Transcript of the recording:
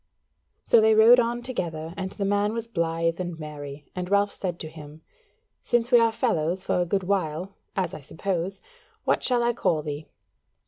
So they rode on together and the man was blithe and merry: and Ralph said to him: "Since we are fellows for a good while, as I suppose, what shall I call thee?"